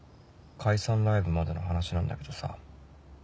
解散ライブまでの話なんだけどさ。